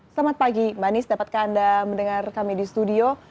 selamat pagi manis dapatkah anda mendengar kami di studio